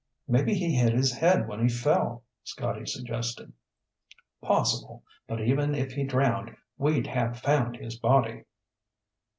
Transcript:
"Maybe he hit his head when he fell," Scotty suggested. "Possible, but even if he drowned we'd have found his body."